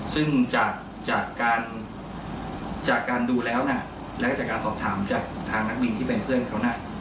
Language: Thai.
ซึ่งจากการจากการดูแล้วนะและจากการสอบถามจากทางนักวินที่เป็นเพื่อนเขาน่ะ